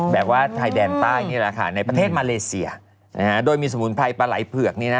แบบว่าไทยแดนใต้นี่แหละค่ะในประเทศมาเลเซียโดยมีสมุนไพรปลาไหล่เผือกนี้นะ